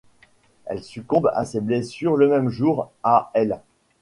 Elle succombe à ses blessures le même jour à l'.